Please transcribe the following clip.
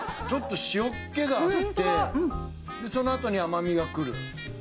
ちょっと塩気があってそのあとに甘みがくる。